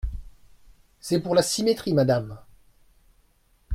C’est pour la symétrie, madame.